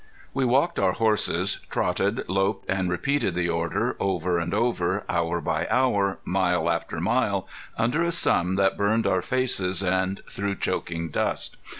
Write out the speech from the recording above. We walked our horses, trotted, loped, and repeated the order, over and over, hour by hour, mile after mile, under a sun that burned our faces and through choking dust.